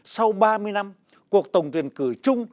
sau ba mươi năm cuộc tổng tuyển cử chung